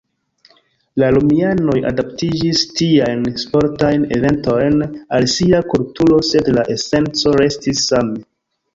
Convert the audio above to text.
La romianoj adaptiĝis tiajn sportajn eventojn al sia kulturo, sed la esenco restis same.